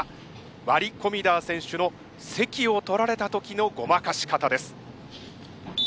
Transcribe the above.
ワリ・コミダー選手の席を取られた時のごまかし方です。